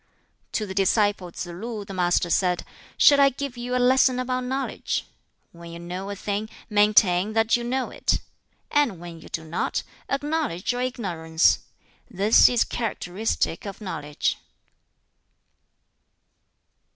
To the disciple Tsz lu the Master said, "Shall I give you a lesson about knowledge? When you know a thing, maintain that you know it; and when you do not, acknowledge your ignorance. This is characteristic of knowledge."